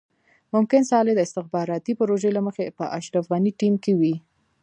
ممکن صالح د استخباراتي پروژې له مخې په اشرف غني ټيم کې وي.